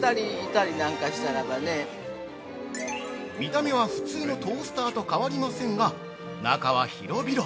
◆見た目は普通のトースターと変わりませんが、中は広々！